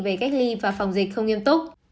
về cách ly và phòng dịch không nghiêm túc